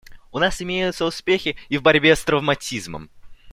У нас имеются успехи и в борьбе с травматизмом.